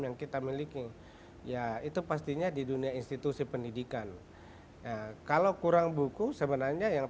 yang kita miliki ya itu pastinya di dunia institusi pendidikan kalau kurang buku sebenarnya yang